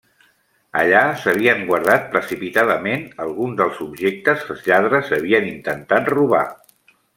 Allà s'havien guardat precipitadament alguns dels objectes que els lladres havien intentat robar.